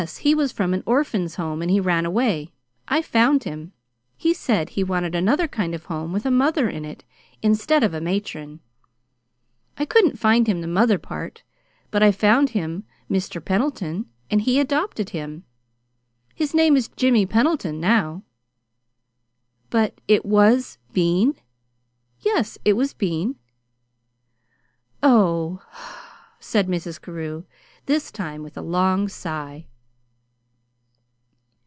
He was from an Orphan's Home, and he ran away. I found him. He said he wanted another kind of a home with a mother in it instead of a Matron. I couldn't find him the mother part, but I found him Mr. Pendleton, and he adopted him. His name is Jimmy Pendleton now." "But it was Bean?" "Yes, it was Bean." "Oh!" said Mrs. Carew, this time with a long sigh.